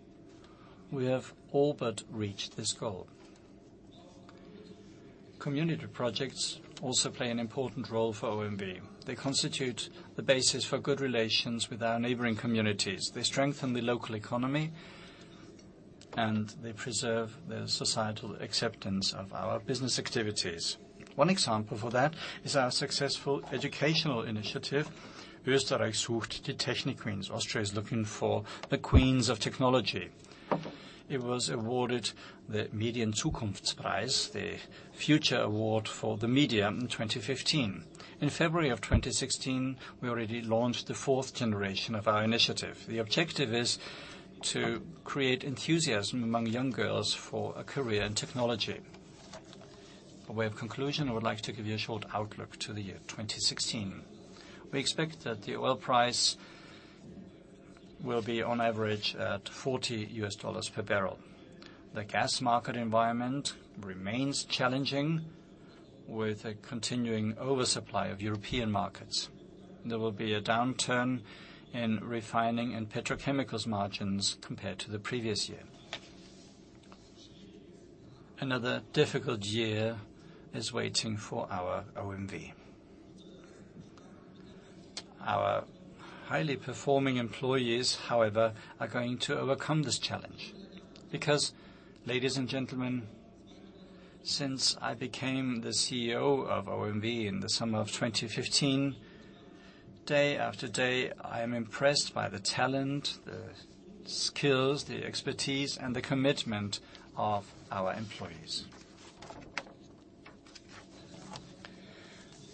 We have all but reached this goal. Community projects also play an important role for OMV. They constitute the basis for good relations with our neighboring communities. They strengthen the local economy, and they preserve the societal acceptance of our business activities. One example for that is our successful educational initiative, Österreich sucht die Technik-Queens, Austria is looking for the Queens of Technology. It was awarded the Medien-Zukunftspreis, the Future Award for the Media in 2015. In February of 2016, we already launched the fourth generation of our initiative. The objective is to create enthusiasm among young girls for a career in technology. By way of conclusion, I would like to give you a short outlook to the year 2016. We expect that the oil price will be on average at $40 per barrel. The gas market environment remains challenging with a continuing oversupply of European markets. There will be a downturn in refining and petrochemicals margins compared to the previous year. Another difficult year is waiting for our OMV. Our highly performing employees, however, are going to overcome this challenge because, ladies and gentlemen, since I became the CEO of OMV in the summer of 2015, day after day, I am impressed by the talent, the skills, the expertise, and the commitment of our employees.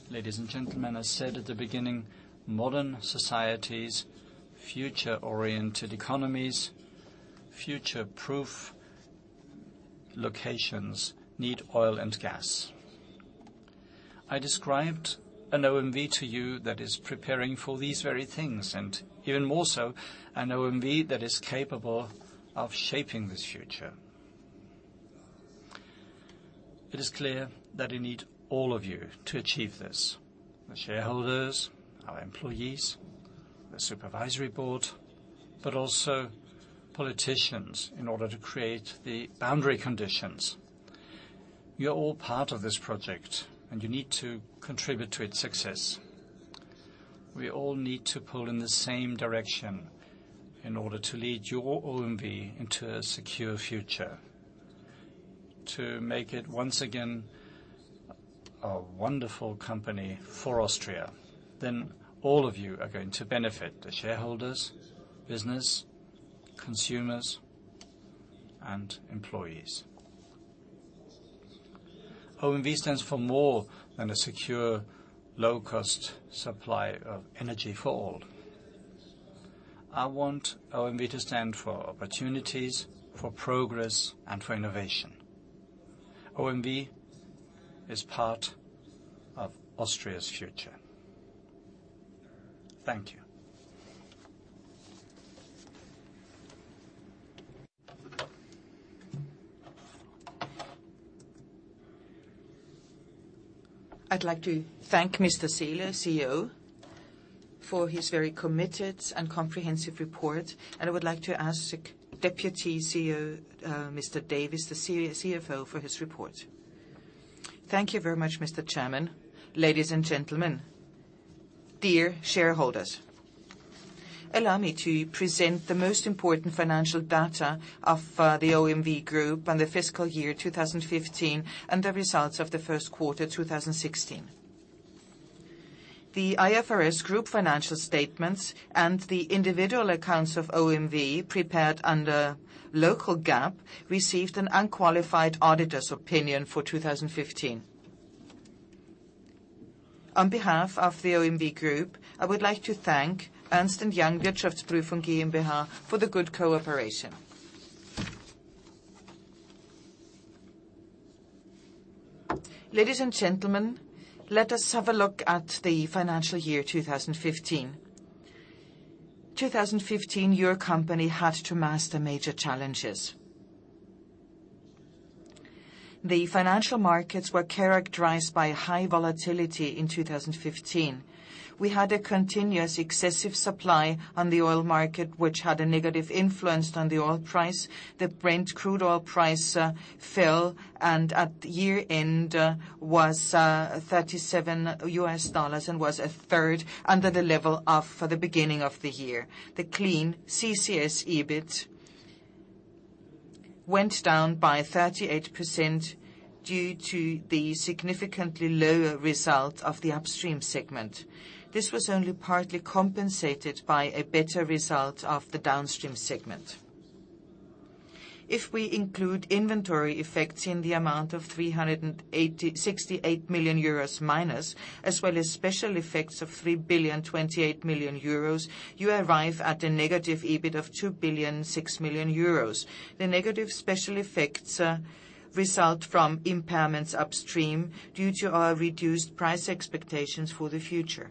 Ladies and gentlemen, I said at the beginning, modern societies, future-oriented economies, future-proof locations need oil and gas. I described an OMV to you that is preparing for these very things, and even more so, an OMV that is capable of shaping this future. It is clear that we need all of you to achieve this, the shareholders, our employees, the Supervisory Board, but also politicians in order to create the boundary conditions. You are all part of this project, and you need to contribute to its success. We all need to pull in the same direction in order to lead your OMV into a secure future, to make it once again a wonderful company for Austria. All of you are going to benefit, the shareholders, business, consumers, and employees. OMV stands for more than a secure, low-cost supply of energy for all. I want OMV to stand for opportunities, for progress, and for innovation. OMV is part of Austria's future. Thank you. I'd like to thank Mr. Seele, CEO, for his very committed and comprehensive report, and I would like to ask the Deputy CEO, Mr. Davies, the CFO for his report. Thank you very much, Mr. Chairman. Ladies and gentlemen, dear shareholders, allow me to present the most important financial data of the OMV Group on the fiscal year 2015 and the results of the first quarter 2016. The IFRS group financial statements and the individual accounts of OMV prepared under local GAAP, received an unqualified auditor's opinion for 2015. On behalf of the OMV Group, I would like to thank Ernst & Young Wirtschaftsprüfungsgesellschaft GmbH for the good cooperation. Ladies and gentlemen, let us have a look at the financial year 2015. 2015, your company had to master major challenges. The financial markets were characterized by high volatility in 2015. We had a continuous excessive supply on the oil market, which had a negative influence on the oil price. The Brent crude oil price fell and at year-end was $37 and was a third under the level of the beginning of the year. The Clean CCS EBIT went down by 38% due to the significantly lower result of the Upstream segment. This was only partly compensated by a better result of the Downstream segment. If we include inventory effects in the amount of 68 million euros minus, as well as special effects of 3.028 billion, you arrive at a negative EBIT of 2.006 billion. The negative special effects result from impairments Upstream due to our reduced price expectations for the future.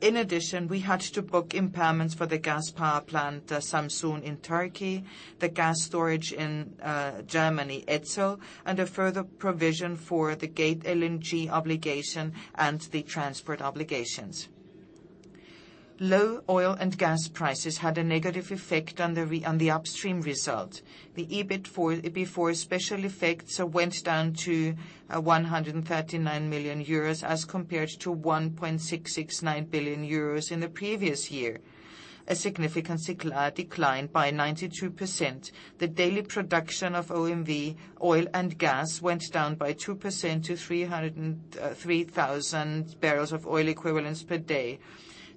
In addition, we had to book impairments for the gas power plant, Samsun in Turkey, the gas storage in Germany, Etzel, and a further provision for the Gate LNG obligation and the transport obligations. Low oil and gas prices had a negative effect on the Upstream result. The EBIT before special effects went down to 139 million euros as compared to 1.669 billion euros in the previous year, a significant decline by 92%. The daily production of OMV oil and gas went down by 2% to 303,000 barrels of oil equivalent per day.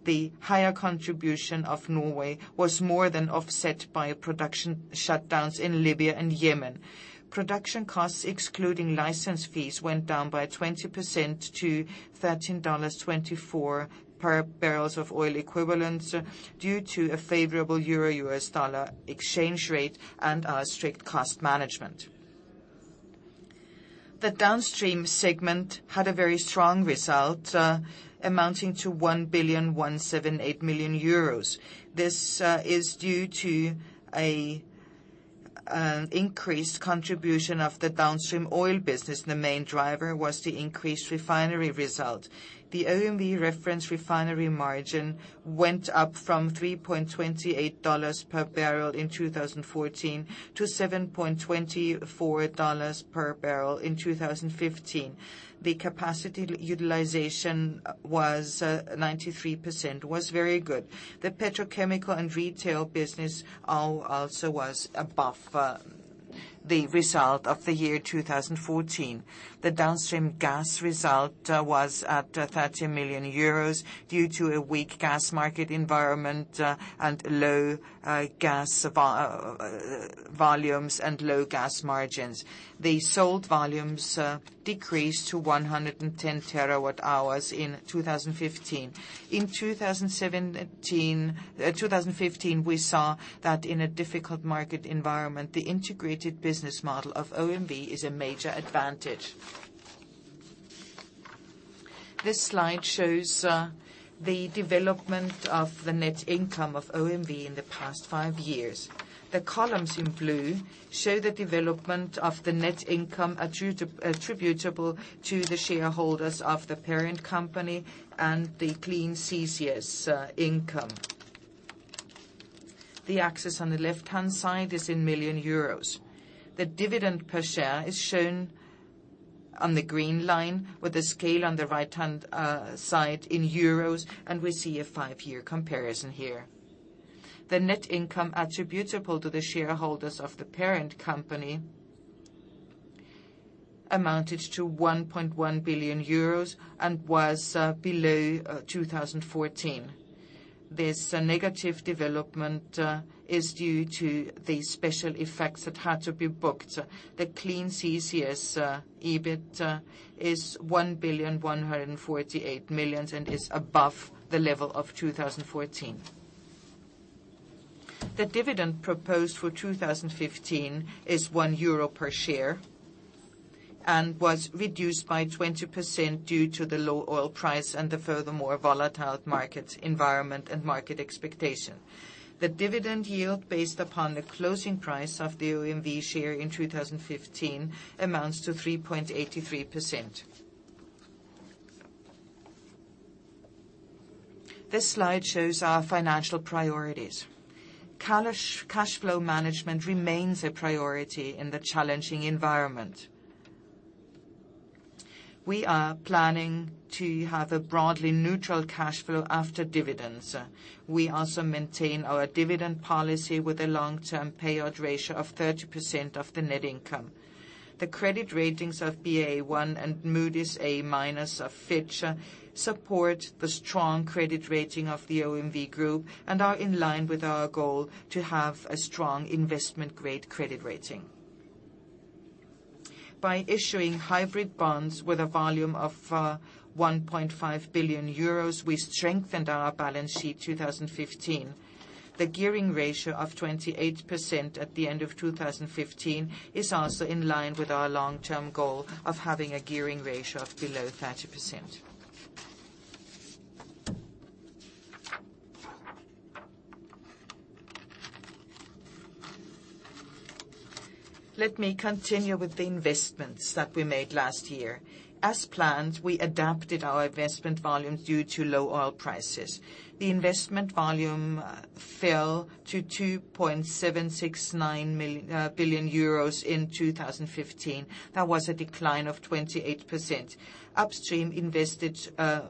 The higher contribution of Norway was more than offset by production shutdowns in Libya and Yemen. Production costs, excluding license fees, went down by 20% to $13.24 per barrel of oil equivalent due to a favorable euro-U.S. dollar exchange rate and our strict cost management. The Downstream segment had a very strong result amounting to 1.178 billion. This is due to an increased contribution of the Downstream oil business. The main driver was the increased refinery result. The OMV refining indicator margin went up from $3.28 per barrel in 2014 to $7.24 per barrel in 2015. The capacity utilization was 93%, was very good. The petrochemical and retail business also was above the result of the year 2014. The Downstream gas result was at 30 million euros due to a weak gas market environment, and low gas volumes and low gas margins. The sold volumes decreased to 110 terawatt hours in 2015. In 2015, we saw that in a difficult market environment, the integrated business model of OMV is a major advantage. This slide shows the development of the net income of OMV in the past five years. The columns in blue show the development of the net income attributable to the shareholders of the parent company and the clean CCS income. The axis on the left-hand side is in million EUR. The dividend per share is shown on the green line with the scale on the right-hand side in EUR, and we see a five-year comparison here. The net income attributable to the shareholders of the parent company amounted to 1.1 billion euros and was below 2014. This negative development is due to the special effects that had to be booked. The clean CCS EBIT is 1,148 million and is above the level of 2014. The dividend proposed for 2015 is 1 euro per share and was reduced by 20% due to the low oil price and the furthermore volatile markets environment and market expectation. The dividend yield based upon the closing price of the OMV share in 2015 amounts to 3.83%. This slide shows our financial priorities. Cash flow management remains a priority in the challenging environment. We are planning to have a broadly neutral cash flow after dividends. We also maintain our dividend policy with a long-term payout ratio of 30% of the net income. The credit ratings of Baa1 and Moody's A minus of Fitch support the strong credit rating of the OMV group and are in line with our goal to have a strong investment-grade credit rating. By issuing hybrid bonds with a volume of 1.5 billion euros, we strengthened our balance sheet 2015. The gearing ratio of 28% at the end of 2015 is also in line with our long-term goal of having a gearing ratio of below 30%. Let me continue with the investments that we made last year. As planned, we adapted our investment volumes due to low oil prices. The investment volume fell to 2.769 billion euros in 2015. That was a decline of 28%. Upstream invested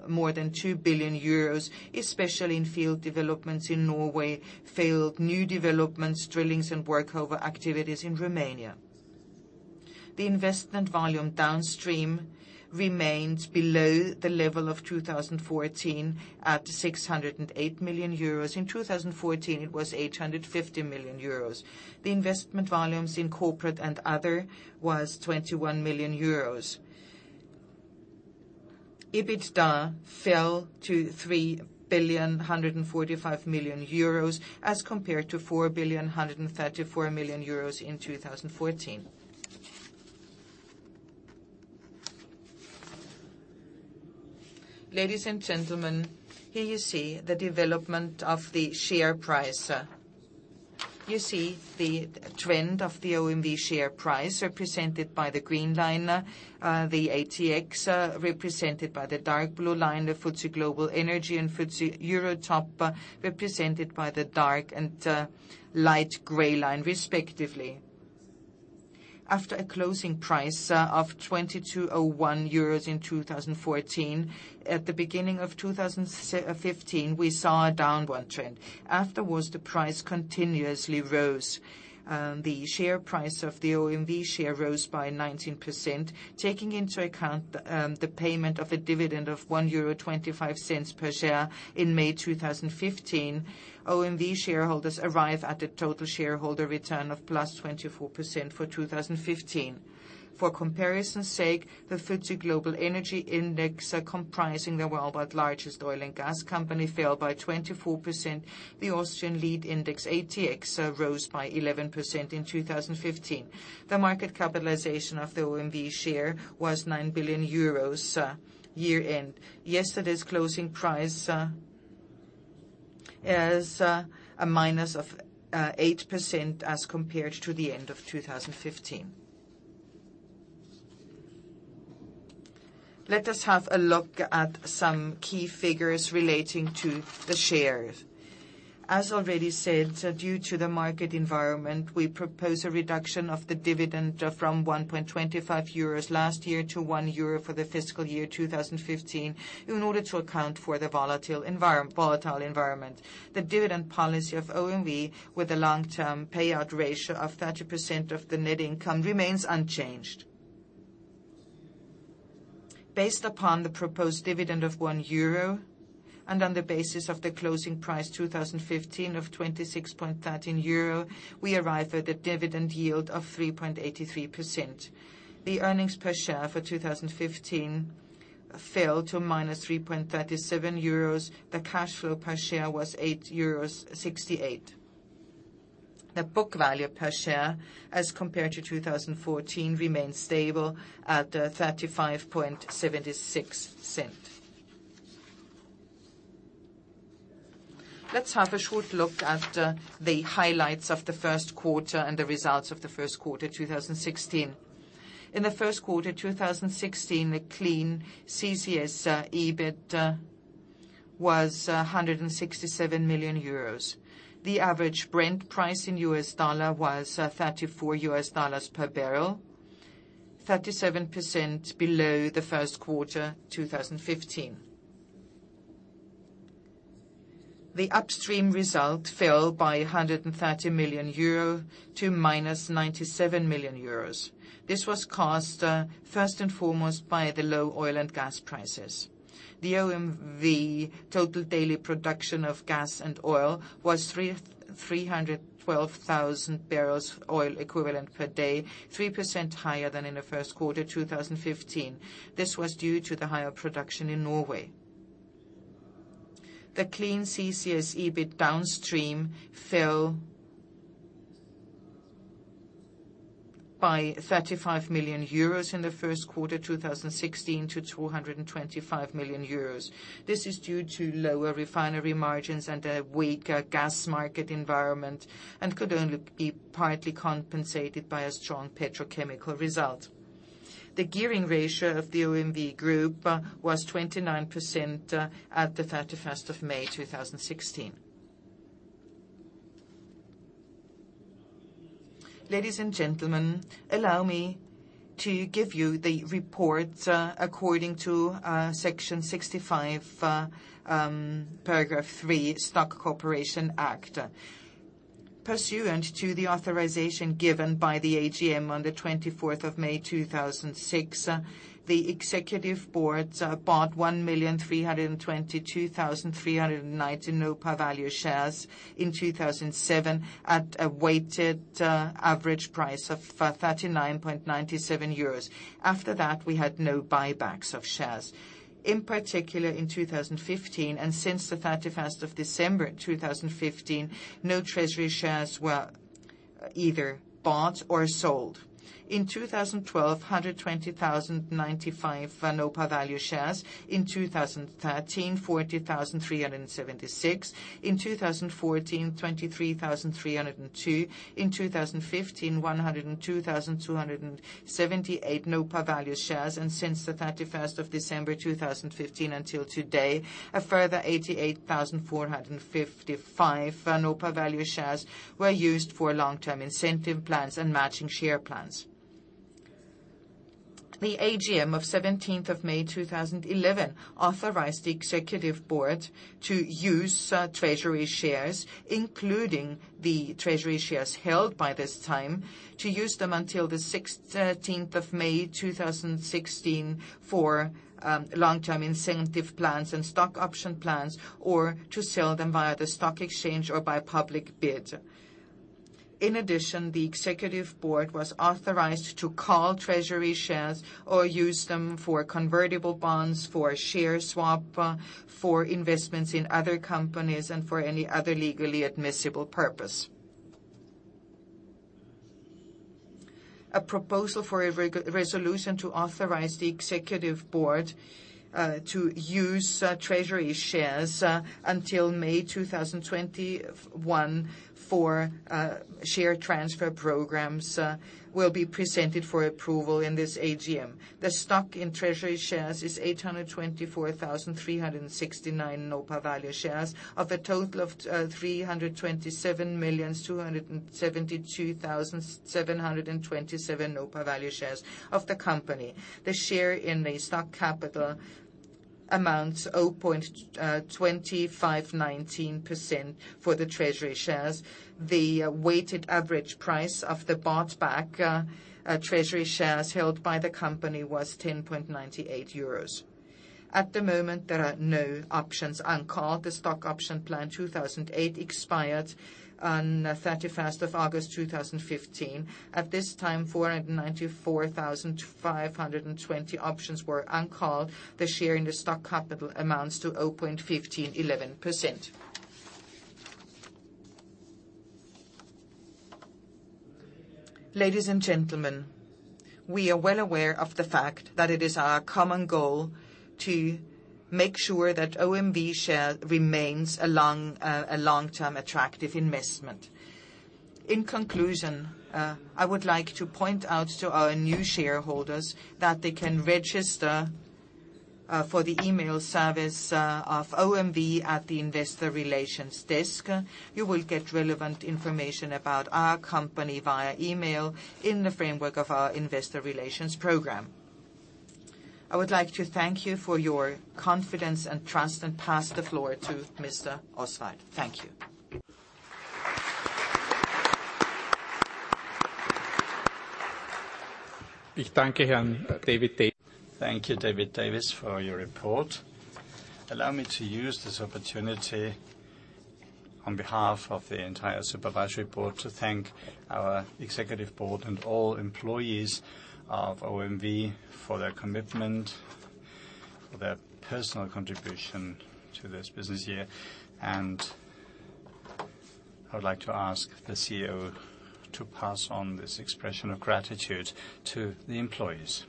more than 2 billion euros, especially in field developments in Norway, field new developments, drillings, and workover activities in Romania. The investment volume Downstream remains below the level of 2014 at 608 million euros. In 2014, it was 850 million euros. The investment volumes in corporate and other was 21 million euros. EBITDA fell to 3.145 billion as compared to 4.134 billion in 2014. Ladies and gentlemen, here you see the development of the share price. You see the trend of the OMV share price represented by the green line, the ATX represented by the dark blue line, the FTSE Global Energy and FTSE Eurotop represented by the dark and light gray line, respectively. After a closing price of 22.01 euros in 2014, at the beginning of 2015, we saw a downward trend. Afterwards, the price continuously rose. The share price of the OMV share rose by 19%, taking into account the payment of a dividend of 1.25 euro per share in May 2015. OMV shareholders arrive at a total shareholder return of plus 24% for 2015. For comparison's sake, the FTSE Global Energy Index, comprising the worldwide largest oil and gas company, fell by 24%. The Austrian lead index, ATX, rose by 11% in 2015. The market capitalization of the OMV share was 9 billion euros year-end. Yesterday's closing price is a minus of 8% as compared to the end of 2015. Let us have a look at some key figures relating to the shares. As already said, due to the market environment, we propose a reduction of the dividend from 1.25 euros last year to 1 euro for the fiscal year 2015, in order to account for the volatile environment. The dividend policy of OMV, with a long-term payout ratio of 30% of the net income, remains unchanged. Based upon the proposed dividend of 1 euro, and on the basis of the closing price 2015 of 26.13 euro, we arrive at a dividend yield of 3.83%. The earnings per share for 2015 fell to minus 3.37 euros. The cash flow per share was 8.68 euros. The book value per share as compared to 2014 remains stable at 35.76. Let's have a short look at the highlights of the first quarter and the results of the first quarter 2016. In the first quarter 2016, the clean CCS EBIT was 167 million euros. The average Brent price in US dollar was $34 per barrel, 37% below the first quarter 2015. The Upstream result fell by 130 million euro to minus 97 million euros. This was caused first and foremost by the low oil and gas prices. The OMV total daily production of gas and oil was 312,000 barrels oil equivalent per day, 3% higher than in the first quarter 2015. This was due to the higher production in Norway. The clean CCS EBIT Downstream fell by 35 million euros in the first quarter 2016 to 225 million euros. This is due to lower refinery margins and a weaker gas market environment, and could only be partly compensated by a strong petrochemical result. The gearing ratio of the OMV Group was 29% at the 31st of May 2016. Ladies and gentlemen, allow me to give you the report according to Section 65 (3), Stock Corporation Act. Pursuant to the authorization given by the AGM on the 24th of May 2006, the Executive Board bought 1,322,390 no-par value shares in 2007 at a weighted average price of 39.97 euros. After that, we had no buybacks of shares. In particular, in 2015 and since the 31st of December 2015, no treasury shares were either bought or sold. In 2012, 120,095 no-par value shares. In 2013, 40,376. In 2014, 23,302. In 2015, 102,278 no-par value shares. Since the 31st of December 2015 until today, a further 88,455 no-par value shares were used for long-term incentive plans and matching share plans. The AGM of 17th of May 2011 authorized the Executive Board to use treasury shares, including the treasury shares held by this time to use them until the 16th of May 2016 for long-term incentive plans and Stock Option Plans, or to sell them via the stock exchange or by public bid. In addition, the Executive Board was authorized to call treasury shares or use them for convertible bonds, for share swap, for investments in other companies, and for any other legally admissible purpose. A proposal for a resolution to authorize the Executive Board to use treasury shares until May 2021 for share transfer programs will be presented for approval in this AGM. The stock in treasury shares is 824,369 no-par value shares of a total of 327,272,727 no-par value shares of the company. The share in the stock capital amounts 0.2519% for the treasury shares. The weighted average price of the bought back treasury shares held by the company was 10.98 euros. At the moment, there are no options uncalled. The Stock Option Plan 2008 expired on the 31st of August 2015. At this time, 494,520 options were uncalled. The share in the stock capital amounts to 0.1511%. Ladies and gentlemen, we are well aware of the fact that it is our common goal to make sure that OMV share remains a long-term attractive investment. In conclusion, I would like to point out to our new shareholders that they can register for the email service of OMV at the investor relations desk. You will get relevant information about our company via email in the framework of our investor relations program. I would like to thank you for your confidence and trust, and pass the floor to Mr. Oswald. Thank you. Thank you, David Davies, for your report. Allow me to use this opportunity on behalf of the entire Supervisory Board to thank our Executive Board and all employees of OMV for their commitment, for their personal contribution to this business year. I would like to ask the CEO to pass on this expression of gratitude to the employees.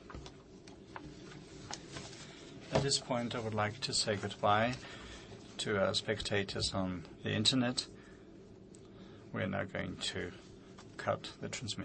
At this point, I would like to say goodbye to our spectators on the internet. We are now going to cut the transmission